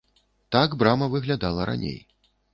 Так брама выглядала раней.